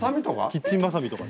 キッチンばさみとか。